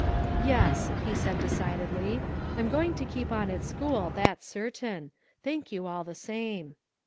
"Yes," he said decidedly; "I'm going to keep on at school, that's certain. Thank you all the same."